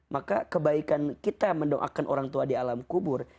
maka kebaikan kita mendoakan orang tua di alam kubur